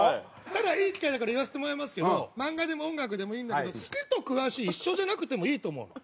ただいい機会だから言わせてもらいますけど漫画でも音楽でもいいんだけど「好き」と「詳しい」一緒じゃなくてもいいと思うの。